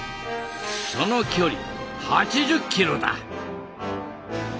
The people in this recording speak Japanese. その距離８０ｋｍだ。